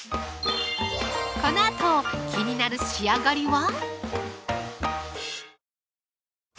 このあと気になる仕上がりは？